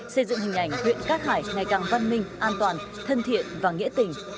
xây dựng hình ảnh huyện cát hải ngày càng văn minh an toàn thân thiện và nghĩa tình